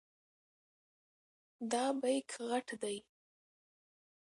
دا بیک غټ دی.